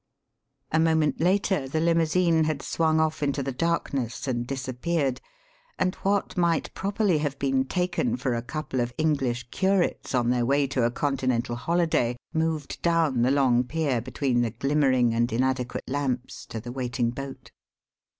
A moment later the limousine had swung off into the darkness and disappeared, and what might properly have been taken for a couple of English curates on their way to a Continental holiday moved down the long pier between the glimmering and inadequate lamps to the waiting boat.